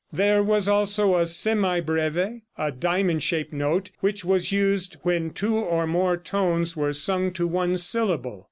There was also a semibreve, a diamond shaped note which was used when two or more tones were sung to one syllable.